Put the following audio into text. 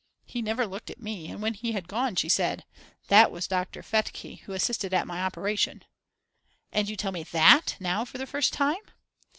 He never looked at me, and when he had gone she said: "That was Dr. Fekete, who assisted at my operation." "And you tell me that now for the first time?"